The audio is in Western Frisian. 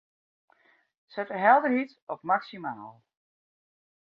Set de helderheid op maksimaal.